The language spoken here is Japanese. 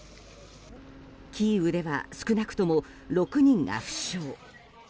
キーウでは少なくとも６人が負傷。